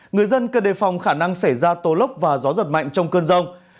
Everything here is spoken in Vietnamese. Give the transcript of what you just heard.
người dân cần đề phòng khả năng xảy ra tố lốc và gió giật mạnh trong cơn rông